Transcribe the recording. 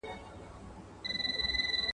هغه څوک چي اوبه څښي قوي وي!؟